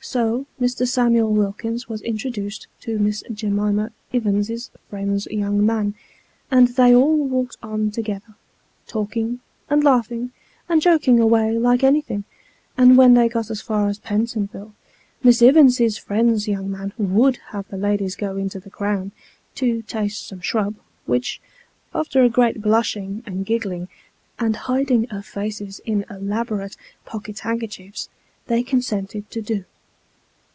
So Mr. Samuel Wilkins was introduced to Miss J'mima Ivins's friend's young man, and they all walked on together, talking, and laughing, 172 Sketches by Boz. and joking away like anything ; and when they got as far as Penton ville, Miss Ivins's friend's young man would have the ladies go into the Crown, to taste some shrub, which, after a great blushing and giggling, and hiding of faces in elaborate pocket handkerchiefs, they consented to do.